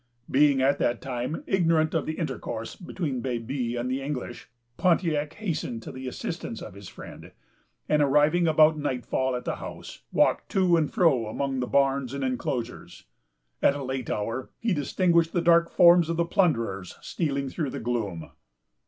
Being at that time ignorant of the intercourse between Baby and the English, Pontiac hastened to the assistance of his friend, and, arriving about nightfall at the house, walked to and fro among the barns and enclosures. At a late hour, he distinguished the dark forms of the plunderers stealing through the gloom.